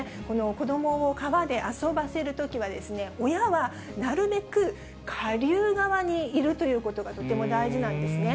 子どもを川で遊ばせるときは、親はなるべく下流側にいるということが、とても大事なんですね。